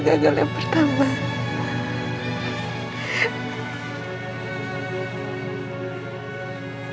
aku gak mau bertahan kependekan aku yang ini pa